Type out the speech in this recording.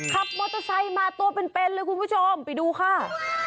ขับมอเตอร์ไซค์มาตัวเป็นเลยคุณผู้ชมไปดูค่ะ